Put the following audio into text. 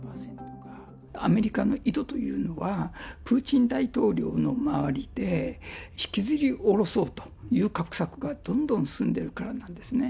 アメリカの意図というのは、プーチン大統領の周りで、引きずり降ろそうという画策がどんどん進んでるからなんですね。